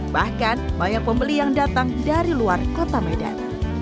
bahkan banyak pembeli yang datang dari luar kota medan